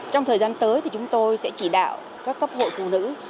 trong thời gian tới thì chúng tôi sẽ chỉ đạo các cấp hội phụ nữ